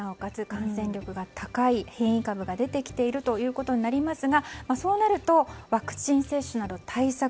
感染力が高い変異株が出てきているということになりますがそうなるとワクチン接種など対策